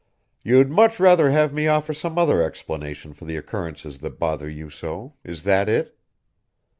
"You'd much rather have me offer some other explanation for the occurrences that bother you so is that it?"